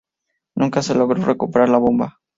Nunca se logró recuperar la bomba.